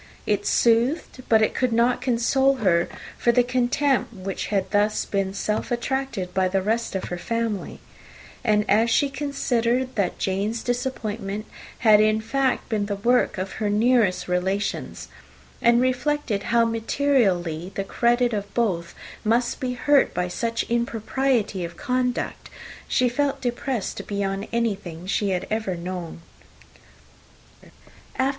It soothed, but it could not console her for the contempt which had been thus self attracted by the rest of her family; and as she considered that Jane's disappointment had, in fact, been the work of her nearest relations, and reflected how materially the credit of both must be hurt by such impropriety of conduct, she felt depressed beyond anything she had ever known before.